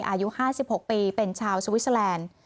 อายุ๕๖ปีเป็นชาวสวิสเตอร์แลนด์